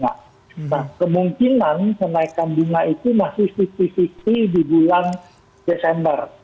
nah kemungkinan kenaikan bunga itu masih lima puluh lima puluh di bulan desember